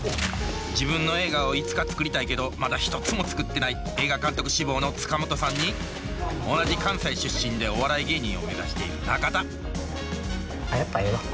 自分の映画をいつか作りたいけどまだ一つも作ってない映画監督志望の塚本さんに同じ関西出身でお笑い芸人を目指している中田あっやっぱええわ。